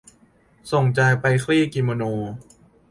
ส่งใจไปคลี่กิโมโน